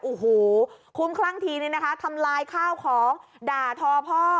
โอ้โหคุ้มคลั่งทีนี้นะคะทำลายข้าวของด่าทอพ่อ